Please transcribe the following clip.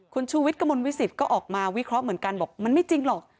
คุณชูวิทย์กระมวลวิสิตก็ออกมาวิเคราะห์เหมือนกันบอกมันไม่จริงหรอก